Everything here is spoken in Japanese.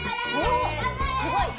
おすごい。